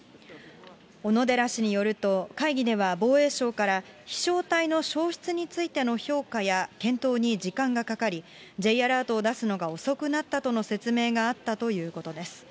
小野寺氏によると、会議では、防衛省から飛しょう体の消失についての評価や検討に時間がかかり、Ｊアラートを出すのが遅くなったとの説明があったということです。